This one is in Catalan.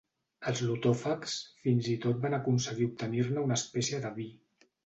Els lotòfags fins i tot van aconseguir obtenir-ne una espècie de vi.